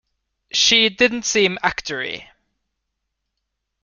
She didn't seem actor-y.